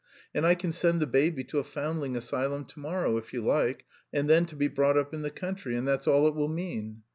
And I can send the baby to a foundling asylum to morrow, if you like, and then to be brought up in the country, and that's all it will mean.